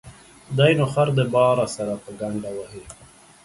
دى نو خر د باره سره په گڼده وهي.